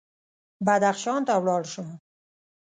بدخشان ته ولاړ شم.